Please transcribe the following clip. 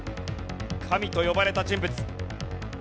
神と呼ばれた人物。